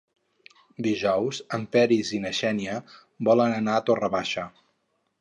Dijous en Peris i na Xènia volen anar a Torre Baixa.